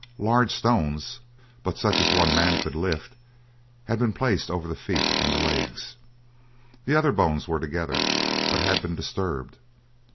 Large stones, but such as one man could lift, had been placed over the feet and the legs. The other bones were together, but had been disturbed.